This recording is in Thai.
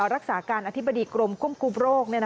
รักษาการอธิบดีกรมคุ้มกลุ่มโรค